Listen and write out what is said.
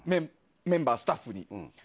メンバー、スタッフに。